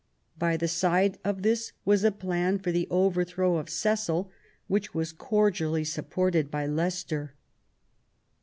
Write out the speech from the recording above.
By the side of this was a plan for the over throw of Cecil, which was cordially supported by Leicester.